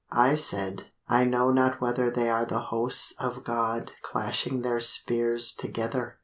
I said, 'I know not whether They are the hosts of God Clashing their spears together.